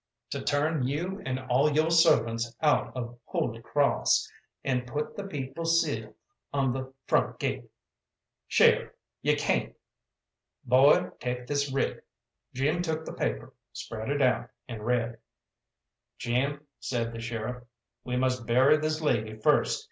"To turn you and all yo' servants out of Holy Crawss, and put the People's seal on the front gate." "Sheriff, you can't!" "Boy, take this writ." Jim took the paper, spread it out, and read "Jim," said the sheriff, "we must bury this lady first.